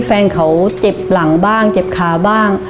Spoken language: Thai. แฟนเขาเจ็บหลังบ้างเจ็บขาบ้าง